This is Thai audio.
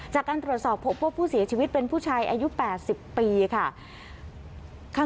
จากการตรวจสอบพบผู้เสียชีวิตเป็นผู้ชายอายุ๘๐ปีค่ะ